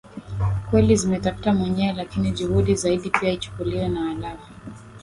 kweli zimetafuta mwenyewe lakini juhudi zaidi pia ichukuliwe na halafu